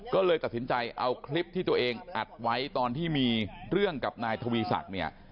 ก็เลยตัดสินใจเอาคลิปที่ตัวเองอัดไว้ตอนที่มีเรื่องกับนายทวีศักดิ์เนี่ย